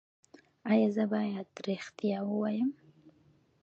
ایا زه باید ریښتیا ووایم؟